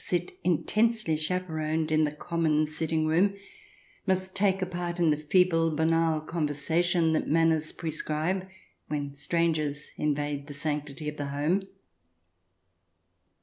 hi sit, intensely chaperoned, in the common sitting room, must take a part in the feeble, banal conversa tion that manners prescribe when strangers invade the sanctity of the home.